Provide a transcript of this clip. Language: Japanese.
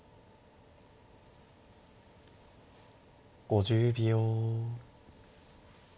５０秒。